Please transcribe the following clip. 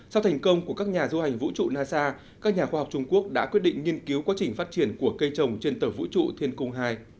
sau thành công của các nhà du hành vũ trụ nasa các nhà khoa học trung quốc đã quyết định nghiên cứu quá trình phát triển của cây trồng trên tờ vũ trụ thiên cung hai